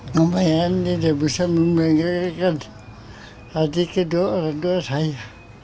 ngapain tidak bisa membanggakan hati kedua orang tua saya